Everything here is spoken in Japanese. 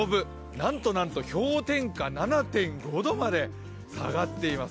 なんとなんと氷点下７．５度まで下がっています。